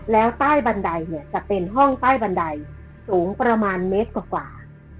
แล้วใต้บันไดเนี่ยจะเป็นห้องใต้บันไดสูงประมาณเมตรกว่า